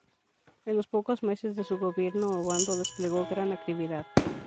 En los pocos meses de su gobierno Ovando desplegó gran actividad.